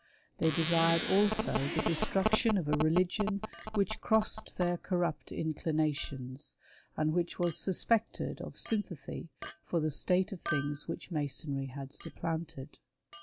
They desired also the destruction of a religion which crossed their corrupt inclinations, and which was suspected of sympathy for the state of things which Masonry had supplanted.